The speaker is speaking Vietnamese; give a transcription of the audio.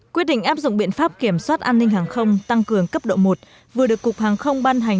quyết định áp dụng biện pháp kiểm soát an ninh hàng không tăng cường cấp độ một vừa được cục hàng không ban hành